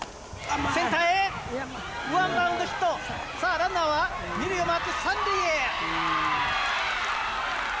ランナーは２塁を回って３塁へ。